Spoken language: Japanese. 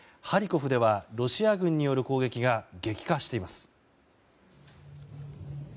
ハリコフではロシア軍による攻撃が激化しています。